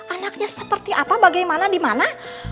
anaknya seperti apa bagaimana dimana